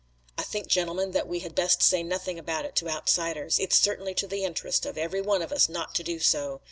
I think, gentlemen, that we had best say nothing about it to outsiders. It's certainly to the interest of every one of us not to do so.